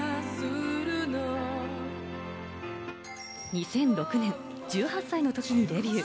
２００６年、１８歳の時にデビュー。